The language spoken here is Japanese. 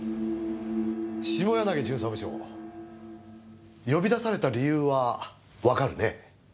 下柳巡査部長呼び出された理由はわかるね？